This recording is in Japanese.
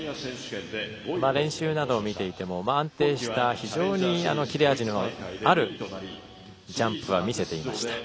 練習などを見ていても安定した、非常に切れ味のあるジャンプは見せていました。